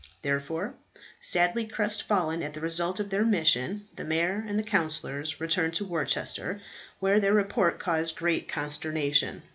Therefore, sadly crestfallen at the result of their mission, the mayor and councillors returned to Worcester, where their report caused great consternation.